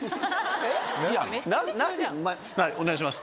お願いします。